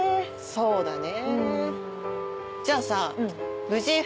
そうだね。